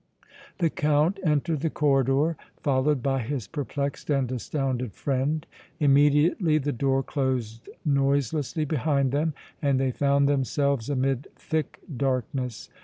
The Count entered the corridor, followed by his perplexed and astounded friend. Immediately the door closed noiselessly behind them and they found themselves amid thick darkness.